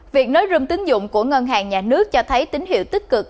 việc nối râm tính dụng của ngân hàng nhà nước cho thấy tín hiệu tích cực